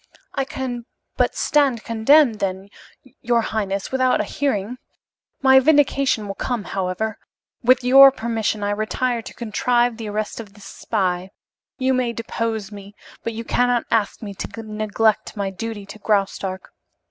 "I can but stand condemned, then, your highness, without a hearing. My vindication will come, however. With your permission, I retire to contrive the arrest of this spy. You may depose me, but you cannot ask me to neglect my duty to Graustark.